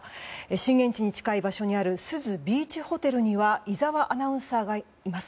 震源地に近い場所にある珠洲ビーチホテルには井澤アナウンサーがいます。